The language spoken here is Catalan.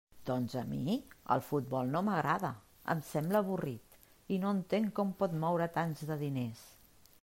Doncs, a mi, el futbol no m'agrada; em sembla avorrit, i no entenc com pot moure tants de diners.